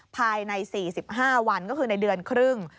ภายใน๔๕วันก็คือในเดือนครึ่ง